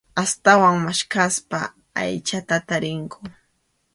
Astawan maskhaspa aychata tarinku.